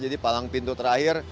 jadi palang pintu terakhir